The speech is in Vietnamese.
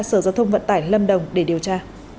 sở giao thông vận tải lâm đồng để điều tra